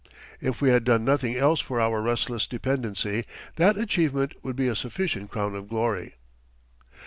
If we had done nothing else for our restless dependency, that achievement would be a sufficient crown of glory.